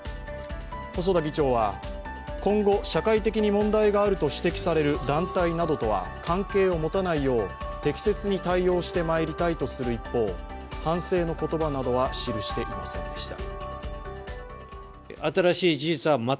細田議長は、今後、社会的に問題があると指摘される団体などとは関係を持たないよう適切に対応してまいりたいとする一方、反省の言葉などは記していませんでした。